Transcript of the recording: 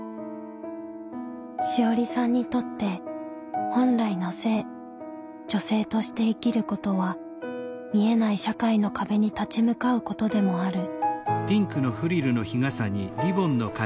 志織さんにとって本来の性女性として生きることは見えない社会の壁に立ち向かうことでもある。